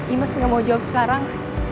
iy mas gak mau jawab sekarang